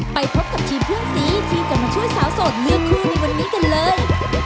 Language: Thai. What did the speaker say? ไปพบกับทีมเพื่อนสีที่จะมาช่วยสาวโสดเลือกคู่ในวันนี้กันเลย